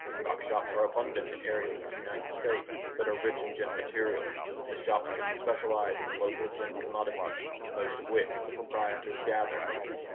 Rock shops are abundant in areas of the United States that are rich in gem materials, and the shops tend to specialize in the local gem commodities, most of which the proprietors gather.